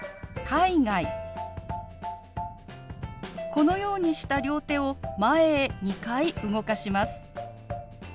このようにした両手を前へ２回動かします。